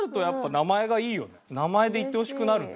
名前で言ってほしくなるね。